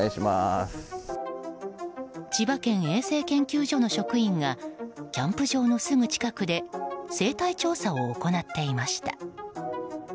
千葉県衛生研究所の職員がキャンプ場のすぐ近くで生態調査を行っていました。